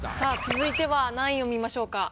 続いては何位を見ましょうか？